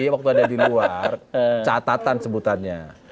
iya waktu ada di luar catatan sebutannya